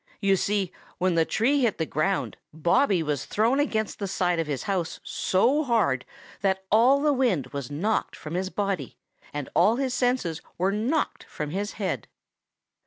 You see, when the tree hit the ground, Bobby was thrown against the side of his house so hard that all the wind was knocked from his body, and all his senses were knocked from his head.